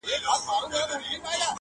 دا د پېړیو توپانونو آزمېیلی وطن٫